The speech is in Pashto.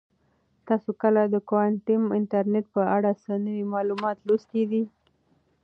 تاسو کله د کوانټم انټرنیټ په اړه څه نوي معلومات لوستي دي؟